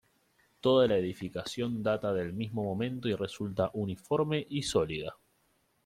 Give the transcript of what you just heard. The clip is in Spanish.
Toda la edificación data del mismo momento y resulta uniforme y sólida.